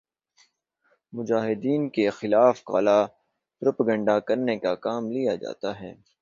مجاہدین کے خلاف کالا پروپیگنڈا کرنے کا کام لیا جاتا ہے